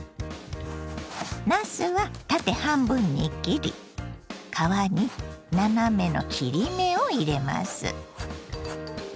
なすは縦半分に切り皮に斜めの切り目を入れます。